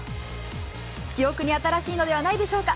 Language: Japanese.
記憶に新しいのではないでしょうか。